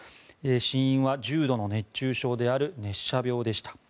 死因は重度の熱中症である熱射病でした。